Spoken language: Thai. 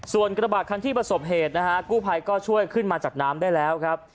ส่วนกระบาดคันที่ประสบเหตุนะฮะกู้ภัยก็ช่วยขึ้นมาจากน้ำได้แล้วครับ